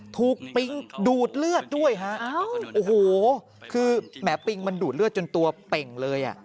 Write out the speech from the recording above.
ปิงดูดเลือดด้วยฮะโอ้โหคือแหมปิงมันดูดเลือดจนตัวเป่งเลยอ่ะ